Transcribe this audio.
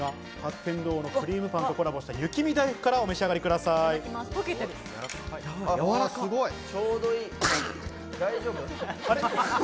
天堂のくりーむパンとコラボした雪見だいふくからお召し上がりください。